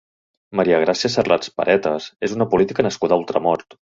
Maria Gràcia Serrats Paretas és una política nascuda a Ultramort.